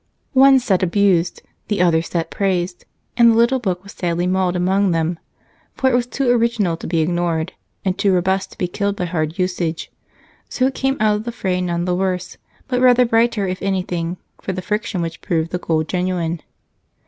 One set abused, the other set praised, and the little book was sadly mauled among them, for it was too original to be ignored, and too robust to be killed by hard usage, so it came out of the fray none the worse but rather brighter, if anything, for the friction which proved the gold genuine.